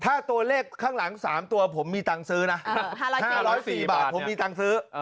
ถ้าตัวเลขข้างหลังสามตัวผมมีตังค์ซื้อนะเออห้าร้อยสี่ห้าร้อยสี่บาทผมมีตังค์ซื้อเออ